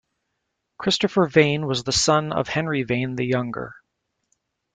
Christopher Vane was the son of Henry Vane the Younger.